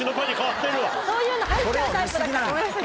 そういうの入っちゃうタイプだから。